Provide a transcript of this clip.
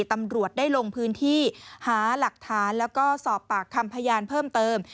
ตำรวจได้ลงพื้นที่หาหลักฐานแล้วก็สอบปากคำพยานเพิ่มเติม